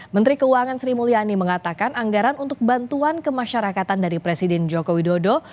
menteri keuangan sri mulyani mengatakan anggaran untuk bantuan kemasyarakatan dari presiden joko widodo